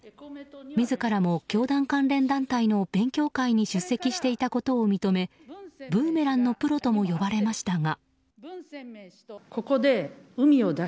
自らも教団関連団体の勉強会に出席していたことを認めブーメランのプロとも呼ばれましたが。